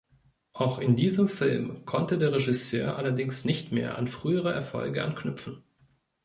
Auch mit diesem Film konnte der Regisseur allerdings nicht mehr an frühere Erfolge anknüpfen.